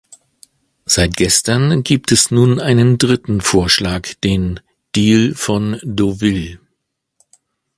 Seit gestern gibt es nun einen dritten Vorschlag, den "Deal von Deauville".